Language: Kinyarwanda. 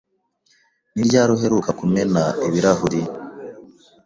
Ni ryari uheruka kumena ibirahuri?